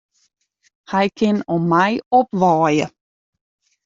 Hy kin om my opwaaie.